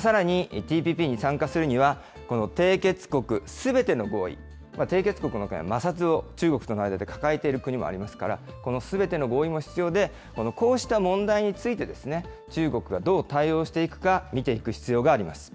さらに、ＴＰＰに参加するのは、この締結国すべての合意、締結国の中には、摩擦を中国との間で抱えている国もありますから、このすべての合意も必要で、こうした問題について、中国がどう対応していくか、見ていく必要があります。